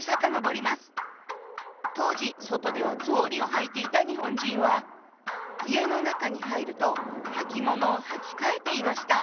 当時外では草履を履いていた日本人は家の中に入るとはきものを履き替えていました。